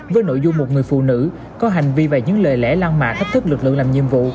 với nội dung một người phụ nữ có hành vi và những lời lẽ lan mạ thách thức lực lượng làm nhiệm vụ